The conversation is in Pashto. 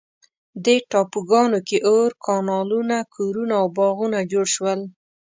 دې ټاپوګانو کې اور، کانالونه، کورونه او باغونه جوړ شول.